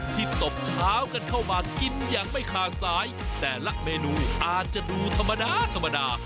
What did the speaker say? ที่ตบขาวกันเข้ามากินอย่างไม่คาสายแต่ละเมนูอาจจะดูธรรมดา